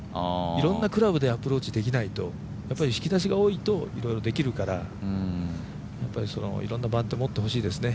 いろいろなクラブでアプローチできないと、引き出しが多いといろいろできるから、やっぱりいろんなパットを持ってほしいですね。